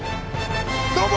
どうも！